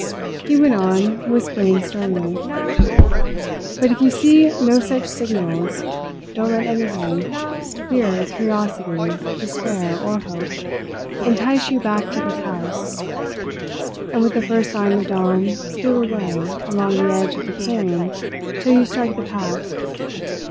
He went on, whispering sternly: "But if you see no such signals, don't let anything fear, curiosity, despair, or hope entice you back to this house; and with the first sign of dawn steal away along the edge of the clearing till you strike the path.